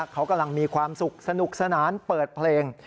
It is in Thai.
เขากำลังมีความสุขสนุกสนานเปิดเพลง